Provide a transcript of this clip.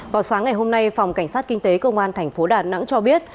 vào sáng ngày hôm nay phòng cảnh sát kinh tế công an tp đà nẵng cho biết